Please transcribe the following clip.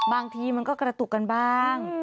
บางทีมันก็กระตุกกันบ้าง